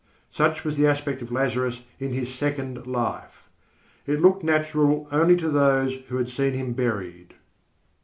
Such was the aspect of Lazarus in his second life. It looked natural only to those who had seen him buried.